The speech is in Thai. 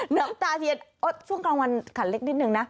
น้ำตาเทียนช่วงกลางวันขันเล็กนิดนึงนะ